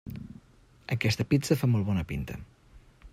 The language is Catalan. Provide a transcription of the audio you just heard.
Aquesta pizza fa molt bona pinta.